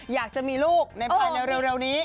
อยากจะมีลูกในภายในเร็วนี้